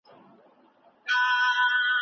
علمي څېړني باید په حقایقو ولاړې وي.